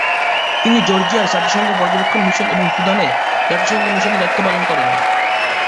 তিনি জর্জিয়ায় জাতিসংঘ পর্যবেক্ষণ মিশন এবং সুদানে জাতিসংঘ মিশনে দায়িত্ব পালন করেন।